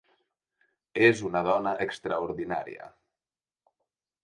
És una dona extraordinària.